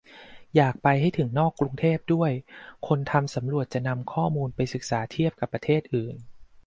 อยากให้ไปถึงนอกกรุงเทพด้วย คนทำสำรวจจะนำข้อมูลไปศึกษาเทียบกับประเทศอื่น